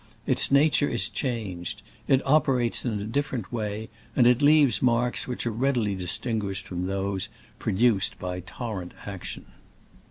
Its na ture is changed : it operates in a differ ent way, and it leaves marks which are readily distinguished from those pro duced by torrent action.